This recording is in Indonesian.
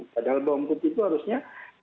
padahal bawang putih itu harusnya